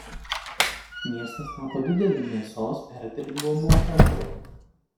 Miestas tapo dideliu mėsos perdirbimo centru.